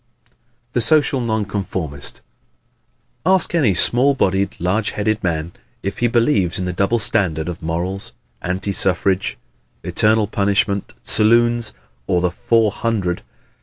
The Social Nonconformist ¶ Ask any small bodied, large headed man if he believes in the double standard of morals, anti suffrage, eternal punishment, saloons, or the "four hundred!"